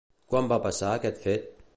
Quan va passar aquest fet?